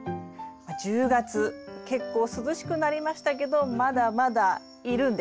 １０月結構涼しくなりましたけどまだまだいるんです。